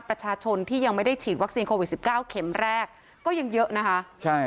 ประชาชนที่ยังไม่ได้ฉีดวัคซีนโควิด๑๙เข็มแรกก็ยังเยอะนะคะใช่